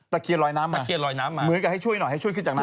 ตะเกียร์ลอยน้ำ